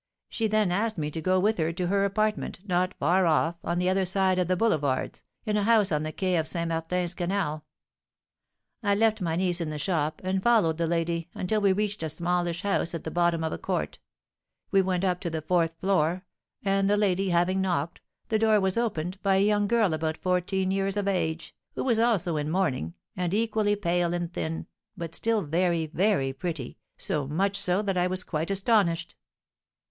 She then asked me to go with her to her apartment, not far off, on the other side of the Boulevards, in a house on the Quay of St. Martin's Canal. I left my niece in the shop, and followed the lady until we reached a smallish house at the bottom of a court; we went up to the fourth floor, and, the lady having knocked, the door was opened by a young girl about fourteen years of age, who was also in mourning, and equally pale and thin, but still very, very pretty, so much so that I was quite astonished."